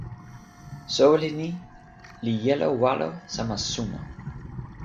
soweli ni li jelo walo sama suno.